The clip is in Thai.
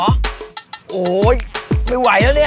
โอ้โหไม่ไหวแล้วเนี่ย